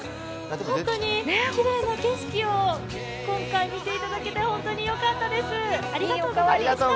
本当に、きれいな景色を今回、見ていただけて本当に良かったです。